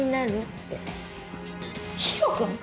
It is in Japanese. ヒロ君？